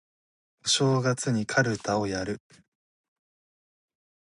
お正月にかるたをやる